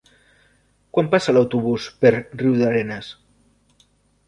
Quan passa l'autobús per Riudarenes?